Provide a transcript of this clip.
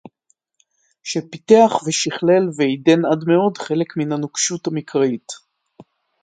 שפיתח ושכלל ועידן עד מאוד חלק מן הנוקשות המקראית